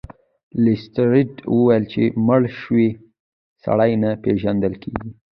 لیسټرډ وویل چې مړ شوی سړی نه پیژندل کیږي.